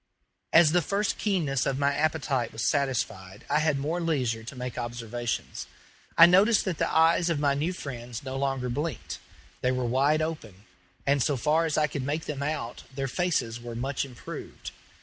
As the first keenness of my appetite was satisfied I had more leisure to make observations. I noticed that the eyes of my new friends no longer blinked; they were wide open; and, so far as I could make them out, their faces were much improved.